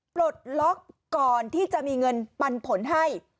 ปลดล็อกก่อนที่จะมีเงินปันผลให้